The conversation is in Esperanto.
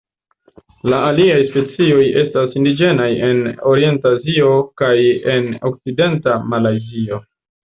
La aliaj specioj estas indiĝenaj en Orient-Azio kaj en okcidenta Malajzio.